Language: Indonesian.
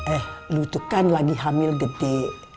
eh lu tuh kan lagi hamil gede